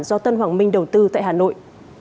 do tân hoàng minh đầu tư tại hà nội